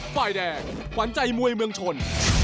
ฝ่ายแดงขวัญใจมวยเมืองชน